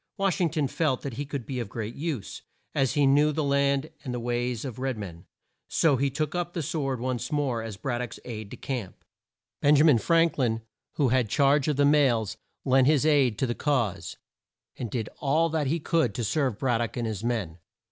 Wash ing ton felt that he could be of great use, as he knew the land and the ways of red men, so he took up the sword once more, as Brad dock's aide de camp. Ben ja min Frank lin, who had charge of the mails, lent his aid to the cause, and did all that he could to serve Brad dock and his men.